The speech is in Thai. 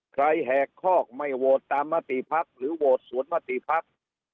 ใครแหกครอกไม่โหวตตามมาตรีพักหรือโหวตสวนมาตรีพัก